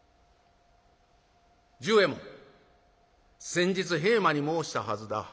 先日平馬に申したはずだ。